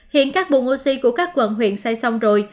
hiện các buồn oxy của các quận huyện xây xong rồi